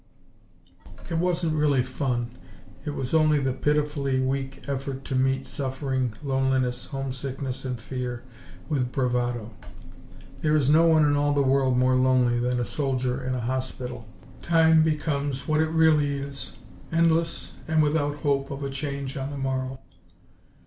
It wasn't really fun, it was only the pitifully weak effort to meet suffering, loneliness, homesickness and fear with bravado. There is no one in all the world more lonely than a soldier in a hospital. Time becomes what it really is, endless, and without hope of a change on the morrow.